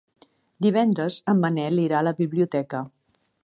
Divendres en Manel irà a la biblioteca.